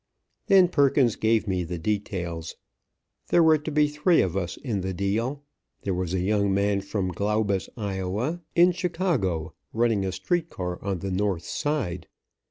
Then Perkins gave me the details. There were to be three of us in the deal. There was a young man from Glaubus, Ia., in Chicago, running a street car on the North Side.